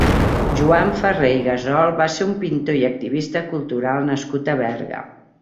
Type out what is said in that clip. Joan Ferrer i Gasol va ser un pintor i activista cultural nascut a Berga.